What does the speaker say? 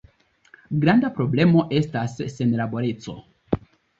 Granda problemo estas senlaboreco.